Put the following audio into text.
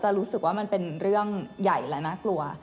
รู้สึกว่ามันเป็นเรื่องใหญ่และน่ากลัว